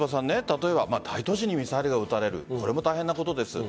大都市にミサイルが撃たれるこれも大変なことです。